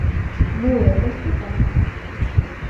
مواء القطط